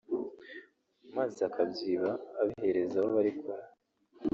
maze akabyiba abihereza abo bari kumwe